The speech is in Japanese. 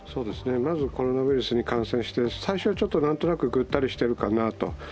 まず、コロナウイルスに感染して最初は何となく、ぐったりしているかなと。